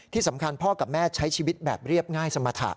ที่สำคัญพ่อกับแม่ใช้ชีวิตแบบเรียบง่ายสมรรถะ